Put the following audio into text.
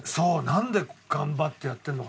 なんで頑張ってやってるのか。